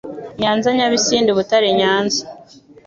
Nyanza Nyabisindu Butare Nyanza